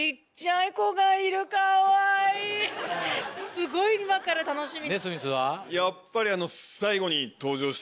すごい今から楽しみ。